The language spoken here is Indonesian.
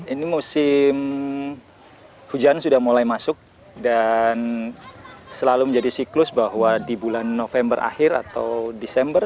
ini musim hujan sudah mulai masuk dan selalu menjadi siklus bahwa di bulan november akhir atau desember